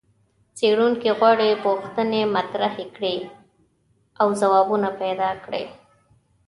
څېړونکي غواړي پوښتنې مطرحې کړي او ځوابونه پیدا کړي.